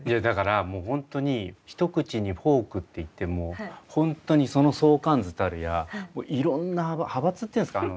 だからもうホントにひと口にフォークっていってもホントにその相関図たるやいろんな派閥っていうんですか。